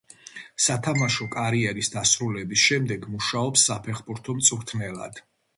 სათამაშო კარიერის დასრულების შემდეგ მუშაობს საფეხბურთო მწვრთნელად.